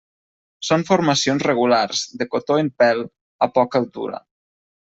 Són formacions regulars, de cotó en pèl, a poca altura.